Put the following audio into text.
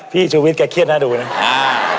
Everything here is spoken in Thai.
พี่ชุวิตแกเครียดหน้าดูเนี่ย